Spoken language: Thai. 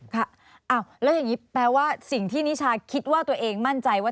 ค่ะอ้าวแล้วอย่างนี้แปลว่าสิ่งที่นิชาคิดว่าตัวเองมั่นใจว่า